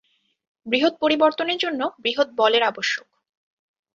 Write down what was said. বৃহৎ পরিবর্তনের জন্য বৃহৎ বলের আবশ্যক।